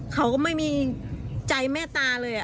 เขาก็ไม่มีใจแม่ตาเลย